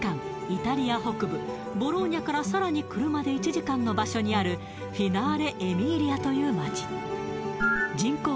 イタリア北部ボローニャからさらに車で１時間の場所にあるフィナーレ・エミーリアという街人口